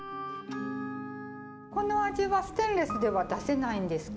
この味はステンレスでは出せないんですか？